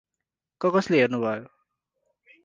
क-कसले हेर्नुभयो?